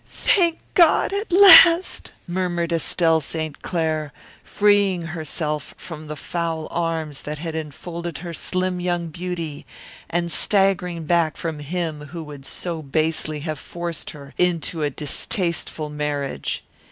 "Thank God, at last!" murmured Estelle St. Clair, freeing herself from the foul arms that had enfolded her slim young beauty and staggering back from him who would so basely have forced her into a distasteful marriage.